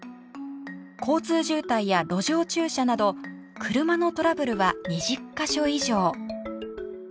交通渋滞や路上駐車など車のトラブルは２０か所以上。